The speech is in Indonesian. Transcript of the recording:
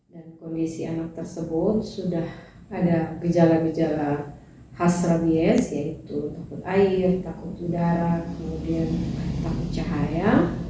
kondisi anak tersebut sudah ada gejala gejala khas rabies yaitu takut air takut udara kemudian takut cahaya